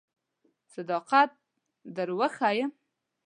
صداقت در وښیم.